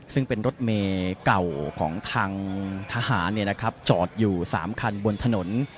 ซึ่งเป็นรถเมย์เก่าของทางทหารจอดอยู่๓คันบนถนน